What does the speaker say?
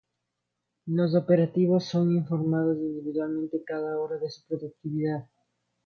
Los operarios son informados individualmente cada hora de su productividad.